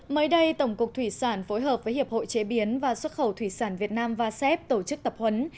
mới đây tổng cục thủy sản phối hợp với hiệp hội chế biến và xuất khẩu thủy sản việt nam vasep tổ chức tập huấn